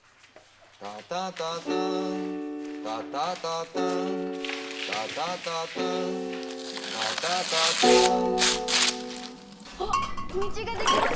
「タタタターン」「タタタターン」「タタタターン」「タタタターン」あっ道ができました！